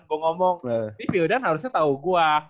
gue ngomong ini fyodan harusnya tau gue